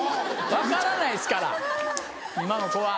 分からないですから今の子は。